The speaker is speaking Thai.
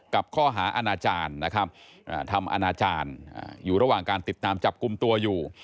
กับข้อหาอาณาจารย์นะครับทำอนาจารย์อยู่ระหว่างการติดตามจับกลุ่มตัวอยู่